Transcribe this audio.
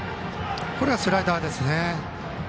これはスライダーですね。